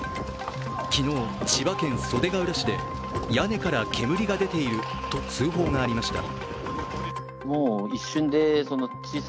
昨日、千葉県袖ケ浦市で屋根から煙が出ていると通報がありました。